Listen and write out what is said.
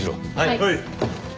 はい。